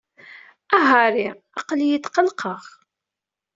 A Harry, aql-iyi tqellqeɣ.